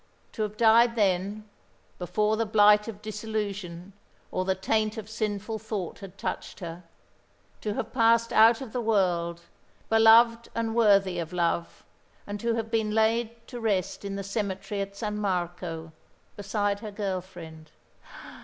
To have died then, before the blight of disillusion or the taint of sinful thought had touched her, to have passed out of the world, beloved and worthy of love, and to have been laid to rest in the cemetery at San Marco, beside her girl friend.